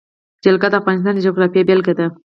جلګه د افغانستان د جغرافیې بېلګه ده.